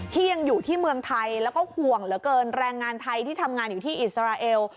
ที่ยังอยู่ที่เมืองไทยแล้วก็ห่วงเหลือเกินแรงงานไทยที่ทำงานอยู่ที่อิสราเอล